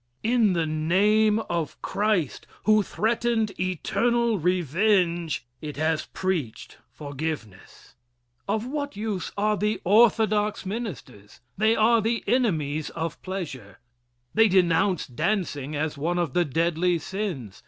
In the name of Christ, who threatened eternal revenge, it has preached forgiveness. Of what Use are the Orthodox Ministers? They are the enemies of pleasure. They denounce dancing as one of the deadly sins.